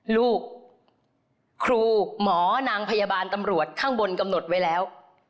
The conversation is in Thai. ลูกครูหมอนางพยาบาลตำรวจข้างบนกำหนดไว้แล้ว